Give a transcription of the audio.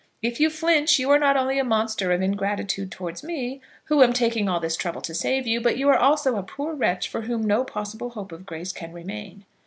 If you flinch you are not only a monster of ingratitude towards me, who am taking all this trouble to save you, but you are also a poor wretch for whom no possible hope of grace can remain."